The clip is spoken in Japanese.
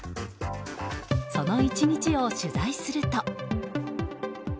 その１日を取材すると。